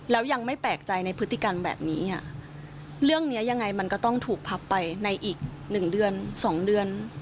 แล้วยังไม่แปลกใจในพฤติกรรมแบบนี้เรื่องนี้ยังไงมันก็ต้องถูกพับไปในอีกหนึ่งเดือนสองเดือน